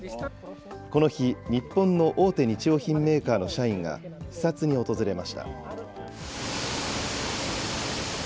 この日、日本の大手日用品メーカーの社員が視察に訪れました。